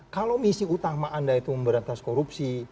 kalau misi utama anda itu memberantas korupsi